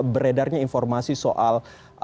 beredarnya informasi soal